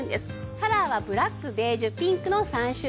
カラーはブラックベージュピンクの３種類。